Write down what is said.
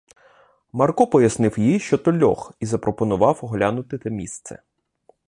Марко пояснив їй, що то льох, і запропонував оглянути те місце.